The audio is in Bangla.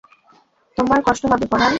তোমার কষ্ট হবে পরাণ?